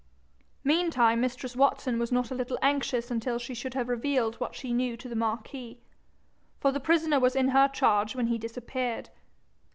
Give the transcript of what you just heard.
Meantime mistress Watson was not a little anxious until she should have revealed what she knew to the marquis, for the prisoner was in her charge when he disappeared.